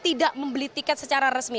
tidak membeli tiket secara resmi